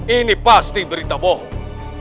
ini pasti berita bohong